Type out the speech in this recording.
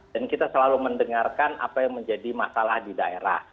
dan kita selalu mendengarkan apa yang menjadi masalah di daerah